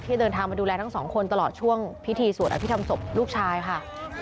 เดินทางมาดูแลทั้งสองคนตลอดช่วงพิธีสวดอภิษฐรรมศพลูกชายค่ะ